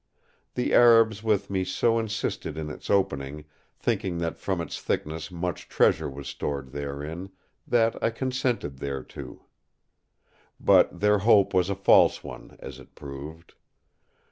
The Arabs with me so insisted in its opening, thinking that from its thickness much treasure was stored therein, that I consented thereto. But their hope was a false one, as it proved.